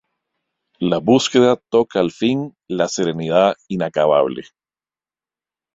La búsqueda toca al fin: la serenidad inacabable.